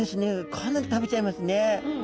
かなり食べちゃいますね。